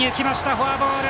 フォアボール！